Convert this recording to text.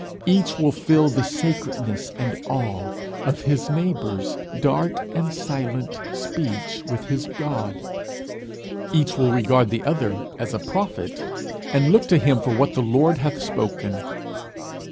Each will feel the sacredness and awe of his neighbour's dark and silent speech with his God. Each will regard the other as a prophet, and look to him for what the Lord hath spoken.